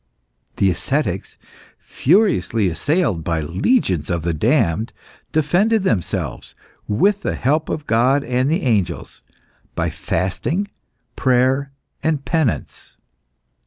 The ascetics, furiously assailed by legions of the damned, defended themselves with the help of God and the angels by fasting, prayer, and penance.